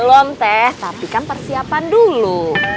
belum teh tapi kan persiapan dulu